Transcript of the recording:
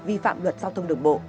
vi phạm luật giao thông đường bộ